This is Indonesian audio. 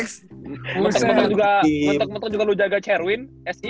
mentok mentok juga lu jaga cherwin